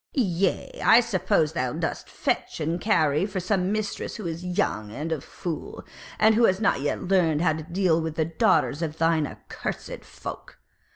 Yea, I suppose thou dost fetch and carry for some mistress who is young and a fool, and who has not yet learned how to deal with the daughters of thine accursed folk.